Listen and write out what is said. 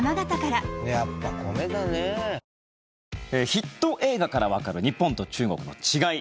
ヒット映画からわかる日本と中国の違い。